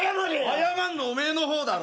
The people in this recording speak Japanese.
謝んのはお前の方だろ。